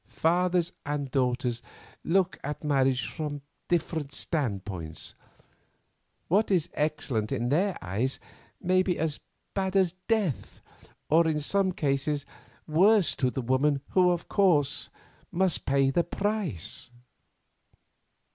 Fathers and daughters look at marriage from such different standpoints; what is excellent in their eyes may be as bad as death, or in some cases worse to the woman who of course must pay the price.